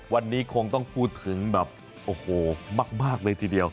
วันนี้คงต้องพูดถึงแบบโอ้โหมากเลยทีเดียว